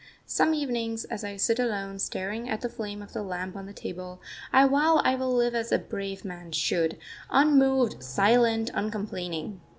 Some evenings, as I sit alone staring at the flame of the lamp on the table, I vow I will live as a brave man should unmoved, silent, uncomplaining.